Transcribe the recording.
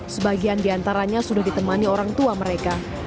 sebagian diantaranya sudah ditemani orang tua mereka